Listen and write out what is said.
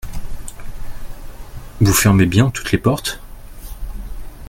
Vous fermez bien toutes les portes ?